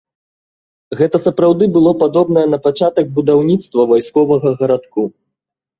Гэта сапраўды было падобнае на пачатак будаўніцтва вайсковага гарадку.